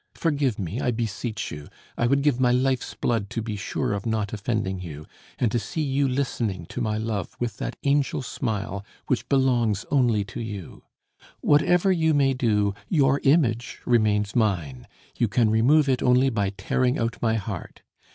Forgive me, I beseech you. I would give my life's blood to be sure of not offending you, and to see you listening to my love with that angel smile which belongs only to you. "Whatever you may do, your image remains mine; you can remove it only by tearing out my heart.